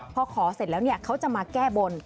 พอขอเสร็จแล้วเขาจะมาแก้บน